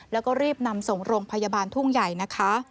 แล้วก็รีบนำส่งโรงพยาบาลทุ่งใหญ่นะคะ